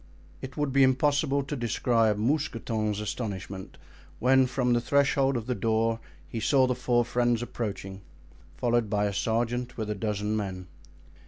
It would be impossible to describe Mousqueton's astonishment when from the threshold of the door he saw the four friends approaching, followed by a sergeant with a dozen men.